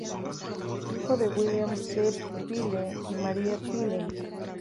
Hijo de William C. Pyle y Maria Pyle.